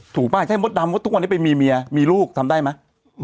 ถูกไหมถ้าให้มดดำว่าทุกวันให้ไปมีเมียมีลูกทำได้ไหม